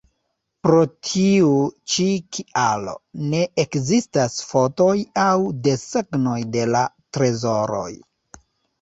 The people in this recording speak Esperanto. Pro tiu ĉi kialo, ne ekzistas fotoj aŭ desegnoj de la trezoroj.